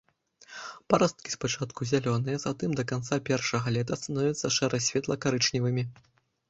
Парасткі спачатку зялёныя, затым да канца першага лета становяцца шэра-светла-карычневымі.